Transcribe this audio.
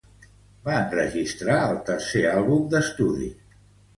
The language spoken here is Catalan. Va enregistrar el tercer àlbum d'estudi.